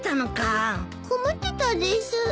困ってたです。